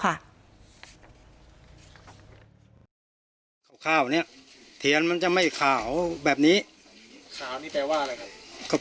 ข้าวเนี่ยเทียนมันจะไม่ขาวแบบนี้ขาวนี่แปลว่าอะไรครับ